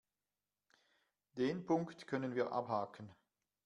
Den Punkt können wir abhaken.